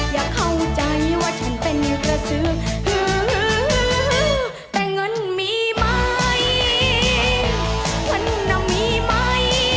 อย่าเข้าใจว่าฉันเป็นกระสือแต่เงินมีไหมวันนั้นมีไหม